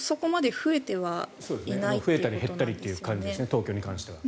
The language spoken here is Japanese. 増えたり減ったりという感じですね、東京に関しては。